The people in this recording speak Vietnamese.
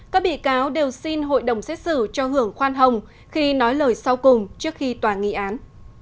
các bị cáo đều xin hội đồng xét xử cho hưởng khoan hồng khi nói lời sau cùng trước khi tòa nghị án